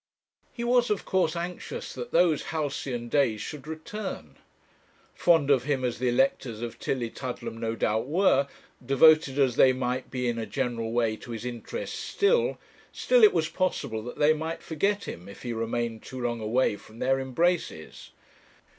He was of course anxious that those halcyon days should return. Fond of him as the electors of Tillietudlem no doubt were, devoted as they might be in a general way to his interests still, still it was possible that they might forget him, if he remained too long away from their embraces.